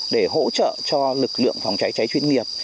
để hỗ trợ cho lực lượng phòng cháy cháy chuyên nghiệp